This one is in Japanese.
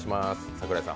櫻井さん